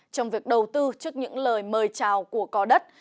trong việc đầu tư trước những lời mời chào của có đất